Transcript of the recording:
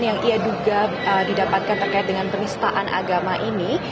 yang ia duga didapatkan terkait dengan penistaan agama ini